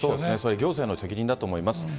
行政の責任だと思います。